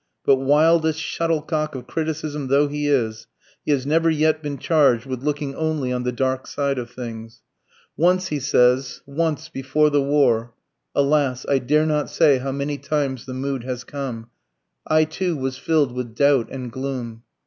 But wildest shuttlecock of criticism though he is, he has never yet been charged with looking only on the dark side of things. Once, he says, "Once, before the war (alas! I dare not say how many times the mood has come!), I too, was fill'd with doubt and gloom."